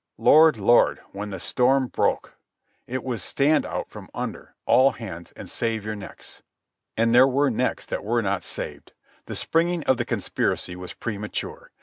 Lord, Lord, when the storm broke! It was stand out from under, all hands, and save your necks. And there were necks that were not saved. The springing of the conspiracy was premature.